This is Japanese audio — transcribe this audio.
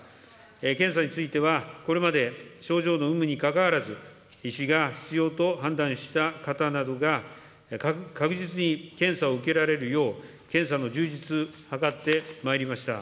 検査については、これまで症状の有無にかかわらず、医師が必要と判断した方などが、確実に検査を受けられるよう、検査の充実、図ってまいりました。